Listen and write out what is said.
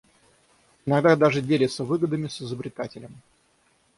Иногда даже делится выгодами с изобретателем.